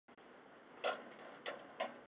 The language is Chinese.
第一代主持为方嘉莹及前足球员张国强。